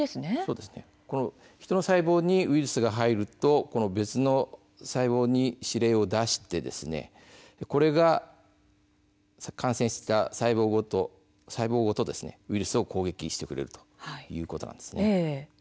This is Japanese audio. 人の細胞にウイルスが入るとこの別の細胞に指令を出してこれが感染した細胞ごとウイルスを攻撃してくれるということなんです。